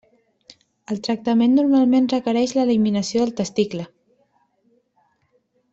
El tractament normalment requereix l'eliminació del testicle.